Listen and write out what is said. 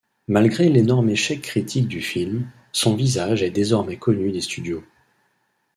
Malgré l'énorme échec critique du film, son visage est désormais connu des studios.